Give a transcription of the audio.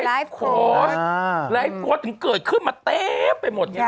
ไลฟ์โคติถึงเกิดขึ้นมาเต็มไปหมด